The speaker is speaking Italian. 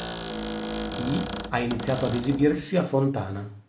Yi ha iniziato ad esibirsi a Fontana.